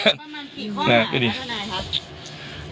ประมาณกี่ข้อหน่ายครับ